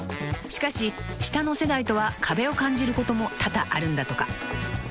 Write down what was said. ［しかし下の世代とは壁を感じることも多々あるんだとか］